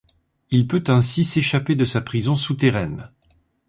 Il peut ainsi s'échapper de sa prison souterraine.